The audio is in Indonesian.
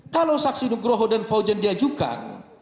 kalau saksi nugroho dan fauzen diajukan